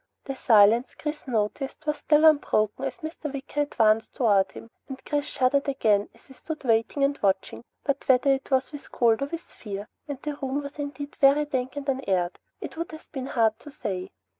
The silence, Chris noticed, was still unbroken as Mr. Wicker advanced toward him, and Chris shuddered again as he stood waiting and watching, but whether it was with cold or with fear and the room was indeed very dank and unaired it would have been hard to say.